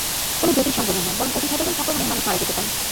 কোনো জটিল সংক্রমণ নয়, বরং অতি সাধারণ সংক্রমণেই মানুষ মারা যেতে পারে।